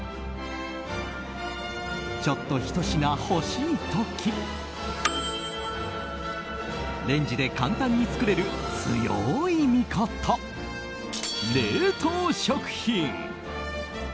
ちょっとひと品欲しい時レンジで簡単に作れる強い味方冷凍食品。